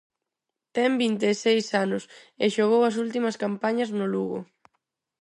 Ten vinte e seis anos e xogou as últimas campañas no Lugo.